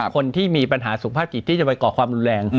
คนที่มีปัญหาสุขภาพจิตที่จะไปก่อความรุนแรง